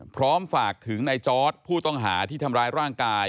พร้อมฝากถึงในจอร์ดผู้ต้องหาที่ทำร้ายร่างกาย